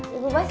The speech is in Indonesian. iya bu bos